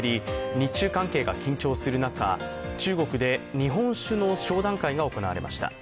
日中関係が緊張する中、中国で日本酒の商談会が行われました。